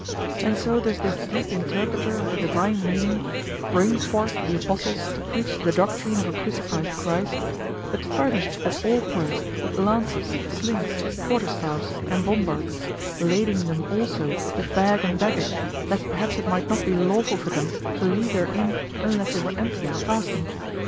And so does this deep interpreter of the divine meaning bring forth the apostles to preach the doctrine of a crucified Christ, but furnished at all points with lances, slings, quarterstaffs, and bombards; lading them also with bag and baggage, lest perhaps it might not be lawful for them to leave their inn unless they were empty and fasting.